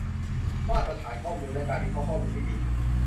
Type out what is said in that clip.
มาตรฐานข้อมูล และ การวิเคราะห์ข้อมูลที่ดี